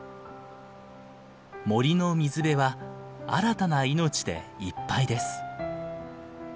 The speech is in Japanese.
森の水辺は新たな命でいっぱいです。